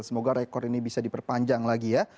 semoga rekor ini bisa diperpanjang lagi ya